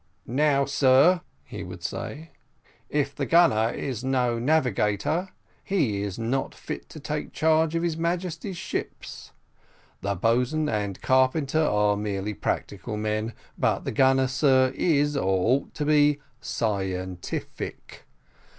"Now, sir," would he say, "if the gunner is no navigator, he is not fit to take charge of his Majesty's ships. The boatswain and carpenter are merely practical men; but the gunner, sir, is, or ought to be, scientific.